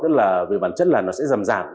tức là về bản chất là nó sẽ giảm giảm